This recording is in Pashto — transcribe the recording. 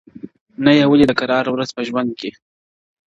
نه يې وليده كراره ورځ په ژوند كي!!